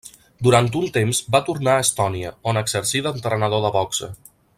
Durant un temps va tornar a Estònia, on exercí d'entrenador de boxa.